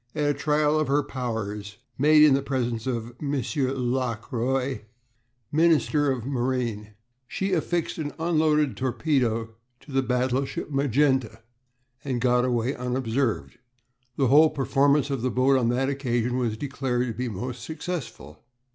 At a trial of her powers made in the presence of M. Lockroy, Minister of Marine, she affixed an unloaded torpedo to the battleship Magenta and got away unobserved. The whole performance of the boat on that occasion was declared to be most successful.